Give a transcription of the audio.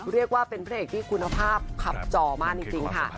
เรียกว่าเป็นพระเอกที่คุณภาพขับจอมากจริงค่ะ